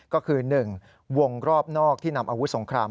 ก็คือ๑วงรอบนอกที่นำอาวุธสงคราม